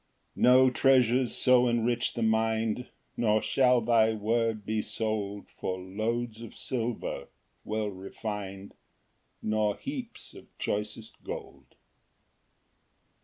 5 No treasures so enrich the mind; Nor shall thy word be sold For loads of silver well refin'd, Nor heaps of choicest gold.